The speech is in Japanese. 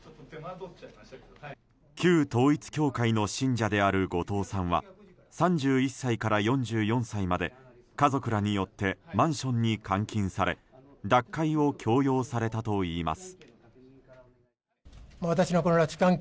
旧統一教会の信者である後藤さんは３１歳から４４歳まで家族らによってマンションに監禁され脱会を強要されたといいます。